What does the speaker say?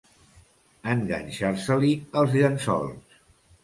Enganxar-se-li els llençols.